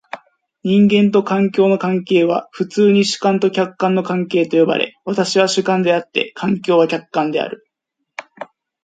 人間と環境の関係は普通に主観と客観の関係と呼ばれ、私は主観であって、環境は客観である。